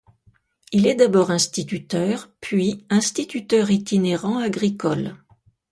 Il est d'abord instituteur puis instituteur itinérant agricole.